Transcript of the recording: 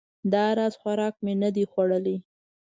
دا راز خوراک مې نه ده خوړلی